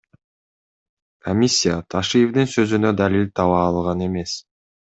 Комиссия Ташиевдин сөзүнө далил таба алган эмес.